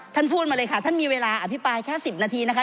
ท่านพูดมาเลยค่ะท่านมีเวลาอภิปรายแค่๑๐นาทีนะคะ